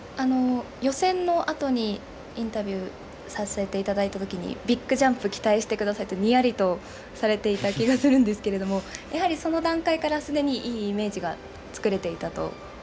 予選のあとにインタビューさせていただいたときに、ビッグジャンプ期待してくださいと、にやりとされていた気がするんですけれども、やはりその段階からすでにいいイメージが作れていたと？